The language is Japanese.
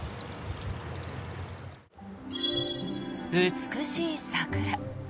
美しい桜。